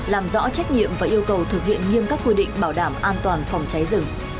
làm rõ trách nhiệm và yêu cầu thực hiện nghiêm các quy định bảo đảm an toàn phòng cháy rừng